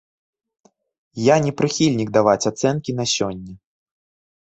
Я не прыхільнік даваць ацэнкі на сёння.